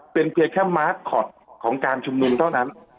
เป็นเพียงแค่มาร์คคอตของการชุมนุมเท่านั้น